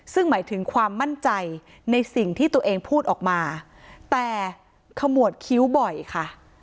ซึ่งหมายถึงความมั่นใจในสิ่งที่ตัวเองพูดออกมาแต่ขมวดคิ้วบ่อยค่ะ